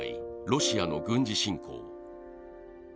ロシアの軍事侵攻。